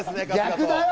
逆だよ！